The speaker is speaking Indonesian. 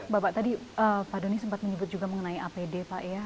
bapak tadi pak doni sempat menyebut juga mengenai apd pak ya